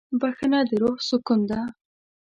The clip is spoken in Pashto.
بښنه د روح سکون ده.